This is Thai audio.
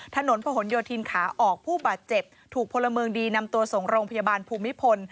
ถนนผนโยธินขาออกผู้บาดเจ็บถูกพลเมืองดีนำตัวส่งโรงพยาบาลภูมิพล